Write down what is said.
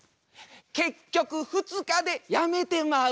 結局２日でやめてまう。